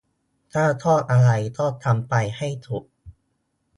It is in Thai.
ถ้าชอบอะไรก็ทำไปให้สุด